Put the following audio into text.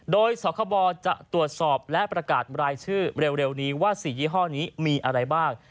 โดยสคบจะตรวจสอบและประกาศรายชื่อเร็วนี้ว่า๔ยี่ห้อนี้มีอะไรบ้าง